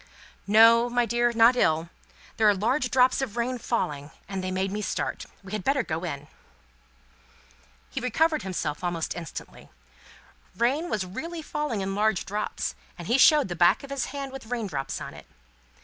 "No, my dear, not ill. There are large drops of rain falling, and they made me start. We had better go in." He recovered himself almost instantly. Rain was really falling in large drops, and he showed the back of his hand with rain drops on it.